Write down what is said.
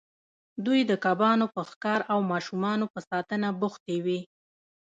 دوی د کبانو په ښکار او ماشومانو په ساتنه بوختې وې.